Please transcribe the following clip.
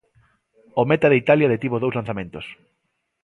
O meta de Italia detivo dous lanzamentos.